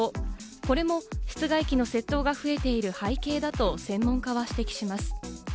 これも室外機の窃盗が増えている背景だと専門家は指摘します。